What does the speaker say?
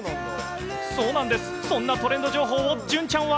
そうなんです、そんなトレンド情報を、隼ちゃんは。